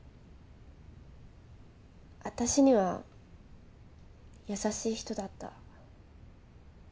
わたしには優しい人だった。